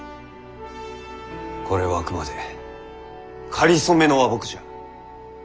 これはあくまでかりそめの和睦じゃ。